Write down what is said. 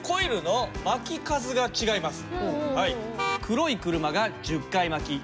黒い車が１０回巻き。